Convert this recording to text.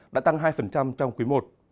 đã tăng hai trong quý i